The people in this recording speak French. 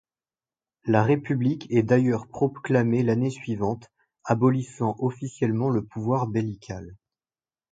La république est d'ailleurs proclamée l'année suivante, abolissant officiellement le pouvoir beylical.